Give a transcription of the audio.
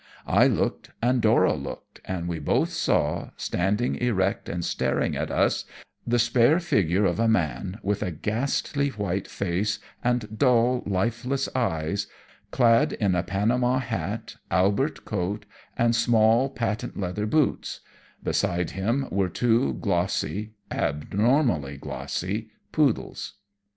I looked, and Dora looked, and we both saw, standing erect and staring at us, the spare figure of a man, with a ghastly white face and dull, lifeless eyes, clad in a panama hat, albert coat, and small, patent leather boots; beside him were two glossy abnormally glossy poodles.